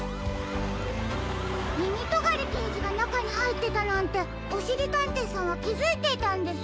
みみとがりけいじがなかにはいってたなんておしりたんていさんはきづいていたんですか？